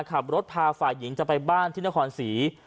ขับรถพาฝ่ายหญิงจะไปบ้านที่นครศรี